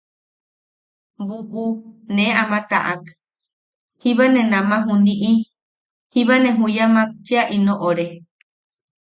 Buʼu ne ama taʼak, jiba ne namaʼa juniʼi... jiba ne juyamak cheʼa ino ore.